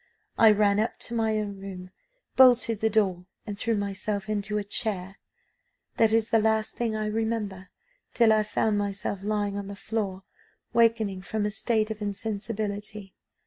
I ran up to my own room, bolted the door, and threw myself into a chair; that is the last thing I remember, till I found myself lying on the floor, wakening from a state of insensibility.